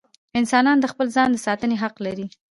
انسانان د خپل ځان د ساتنې حق لري.